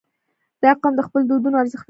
• دا قوم د خپلو دودونو ارزښت پېژني.